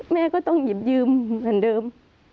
แม่ก็ต้องหยิบยืมเหมือนเดิม